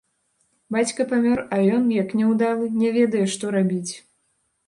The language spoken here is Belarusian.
Бацька памёр, а ён, як няўдалы, не ведае, што рабіць.